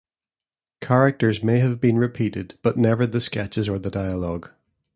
Characters may have been repeated, but never the sketches or the dialogue.